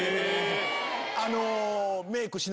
あの。